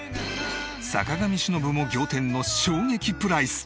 坂上忍も仰天の衝撃プライス！